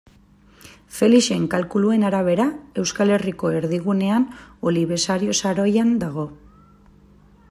Felixen kalkuluen arabera, Euskal Herriko erdigunean Olibesario saroian dago.